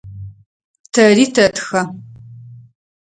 Тэри тэтхэ.